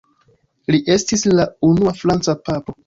Li estis la unua franca papo.